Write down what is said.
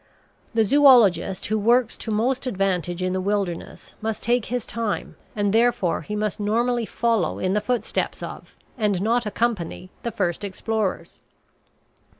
The zoologist who works to most advantage in the wilderness must take his time, and therefore he must normally follow in the footsteps of, and not accompany, the first explorers.